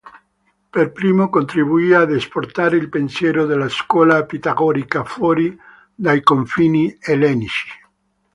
Per primo contribuì ad esportare il pensiero della scuola pitagorica fuori dai confini ellenici.